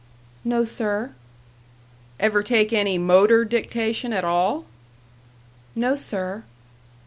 "No, sir." "Ever take any motor dictation at all?" "No, sir."